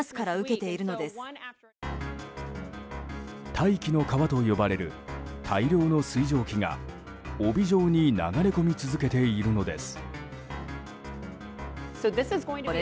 大気の川と呼ばれる大量の水蒸気が帯状に流れ込み続けているのです。